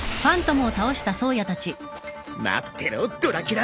待ってろドラキュラ。